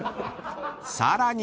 ［さらに］